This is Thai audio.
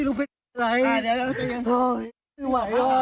ไม่ไหว